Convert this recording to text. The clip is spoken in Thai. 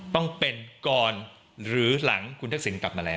ต้องเป็นก่อนหรือหลังคุณทักษิณกลับมาแล้ว